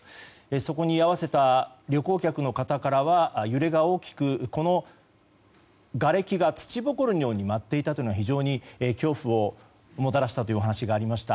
そこに居合わせた旅行客の方からは揺れが大きくがれきが土ぼこりのように舞っていたというのが非常に恐怖をもたらしたというお話がありました。